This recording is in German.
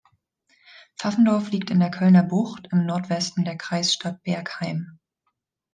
Paffendorf liegt in der Kölner Bucht im Nordwesten der Kreisstadt Bergheim.